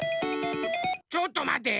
ちょっとまて。